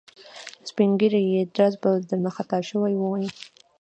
سپین ږیری یې ډز به درنه خطا شوی وي.